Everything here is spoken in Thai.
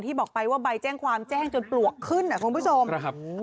ที่บอกไปว่าใบแจ้งความแจ้งจนปลวกขึ้นนะคุณผู้ชม